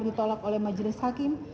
ditolak oleh majelis hakim